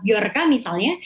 kebocoran data bioreka misalnya